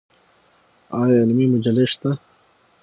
آیا علمي مجلې شته؟